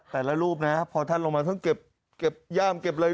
แต่ละรูปนะพอท่านลงมาท่านเก็บย่ามเก็บเลย